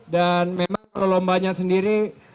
dan memang perlombanya sendiri